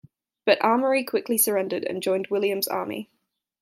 But Amaury quickly surrendered and joined William's army.